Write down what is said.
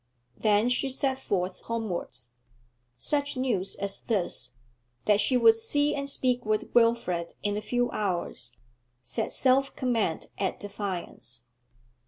Then she set forth homewards. Such news as this, that she would see and speak with Wilfrid in a few hours, set self command at defiance.